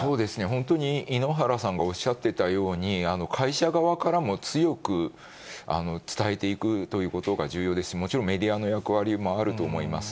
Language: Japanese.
本当に井ノ原さんがおっしゃってたように、会社側からも強く伝えていくということが重要ですし、もちろんメディアの役割もあると思います。